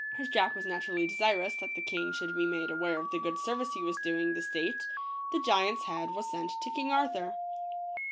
As Jack was naturally desirous that the king should be made aware of the good service he was doing the state, the giant's head was sent to King Arthur.